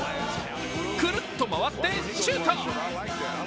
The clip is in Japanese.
くるっと回ってシュート。